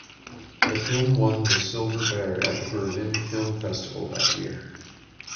The film won the Silver Bear at the Berlin Film Festival that year.